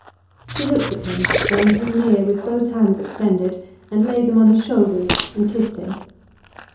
She looked at him, then drew near with both hands extended, and laid them on his shoulders, and kissed him.